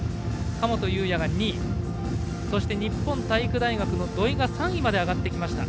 神本雄也が２位そして日本体育大学の土井が３位まで上がりました。